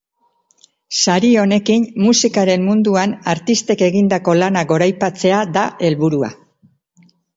Sari honekin musikaren munduan artistek egindako lana goraipatzea da helburua.